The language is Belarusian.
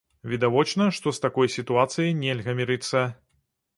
Відавочна, што з такой сітуацыяй нельга мірыцца.